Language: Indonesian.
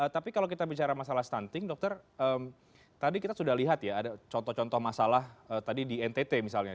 tapi kalau kita bicara masalah stunting dokter tadi kita sudah lihat ya ada contoh contoh masalah tadi di ntt misalnya